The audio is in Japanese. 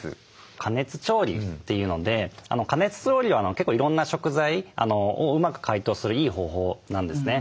加熱調理というので加熱調理は結構いろんな食材をうまく解凍するいい方法なんですね。